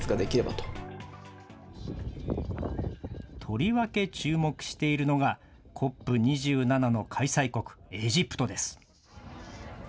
とりわけ注目しているのがＣＯＰ２７の開催国エジプトです。